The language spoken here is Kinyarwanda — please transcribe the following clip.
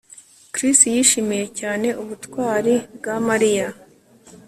Chris yishimiye cyane ubutwari bwa Mariya